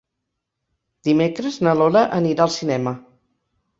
Dimecres na Lola anirà al cinema.